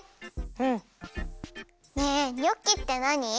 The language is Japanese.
うん。ねえニョッキってなに？